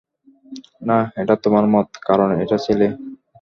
না, এটা তোমার মত, কারণ এটা ছেলে।